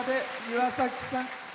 岩崎さん。